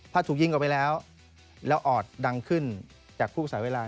ถ้าถูกยิงออกไปแล้วแล้วออดดังขึ้นจากคู่ภาษาเวลา